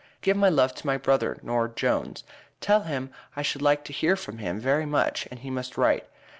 give my lov to my Brother nore Jones tel him i should like to here from him very much and he must write.